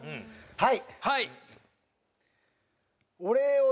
はい。